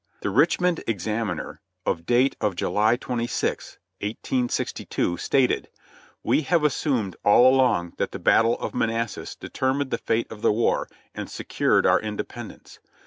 The Richmond Examiner, of date of July 26th, 1862, stated: "We have assumed all along that the Battle of Manassas deter mined the fate of the war, and secured our independence.